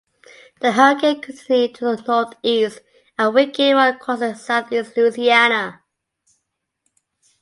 The hurricane continued to the northeast, and weakened while crossing southeast Louisiana.